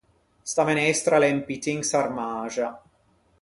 Sta menestra a l’é un pittin sarmaxa.